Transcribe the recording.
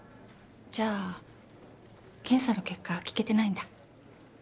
じゃあ検査の結果聞けてないんだ？